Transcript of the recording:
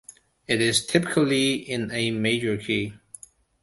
It is typically in a major key.